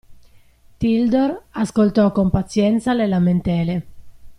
Tildor ascoltò con pazienza le lamentele.